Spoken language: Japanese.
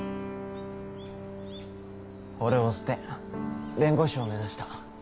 俺を捨て弁護士を目指した